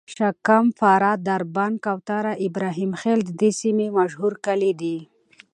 شکم پاره، دربند، کوتره، ابراهیم خیل د دې سیمې مشهور کلي دي.